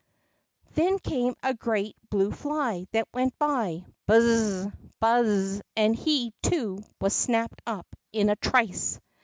Then came a great blue fly that went Buz z z ! Buz z z !" and he, too, was snapped up in a trice.